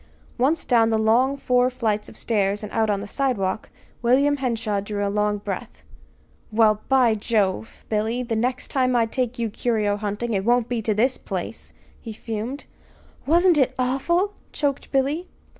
Once down the long four flights of stairs and out on the sidewalk, William Henshaw drew a long breath. "Well, by Jove! Billy, the next time I take you curio hunting, it won't be to this place," he fumed. "Wasn't it awful!" choked Billy.